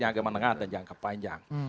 jangka menengah dan jangka panjang